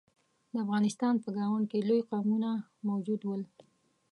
د افغانستان په ګاونډ کې لوی قومونه موجود ول.